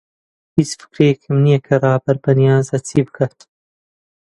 هیچ فکرەیەکم نییە کە ڕابەر بەنیازە چی بکات.